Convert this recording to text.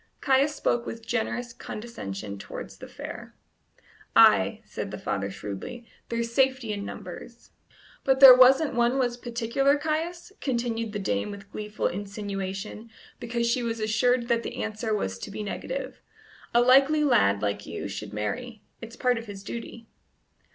Caius spoke with generous condescension towards the fair. "Ay," said the father shrewdly, "there's safety in numbers." "But there wasn't one was particular, Caius?" continued the dame with gleeful insinuation, because she was assured that the answer was to be negative. "A likely lad like you should marry; it's part of his duty."